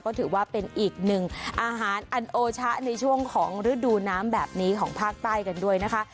ก็ถือว่าเป็นอีกหนึ่งอาหารอันโอชะในช่วงของฤดูน้ำแบบนี้ของภาคใต้กันด้วยนะคะ